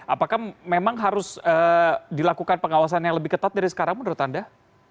apakah memang harus dilakukan pengawasan yang lebih ketat dari sekarang menurut anda